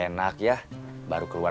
ain ada akan nyelewan